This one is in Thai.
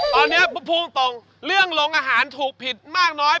ตอนนี้พูดตรงเรื่องโรงอาหารถูกผิดมากน้อย